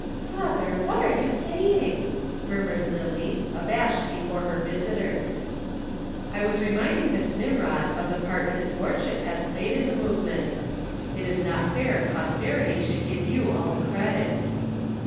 "Father! What are you saying?" murmured Lillie, abashed before her visitors. "I was reminding Miss Nimrod of the part his lordship has played in the movement. It is not fair posterity should give you all the credit."